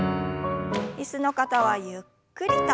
椅子の方はゆっくりと。